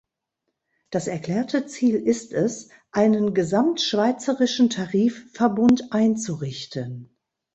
Das erklärte Ziel ist es, einen gesamtschweizerischen Tarifverbund einzurichten.